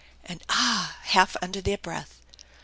and "Ah !" half under their breath.